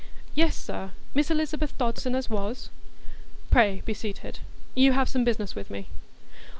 "Yes, sir; Miss Elizabeth Dodson as was." "Pray be seated. You have some business with me?"